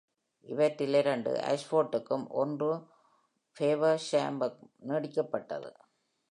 இவற்றில் இரண்டு Ashford-க்கும், ஒன்று Faversham-உம் நீட்டிக்கப்பட்டது.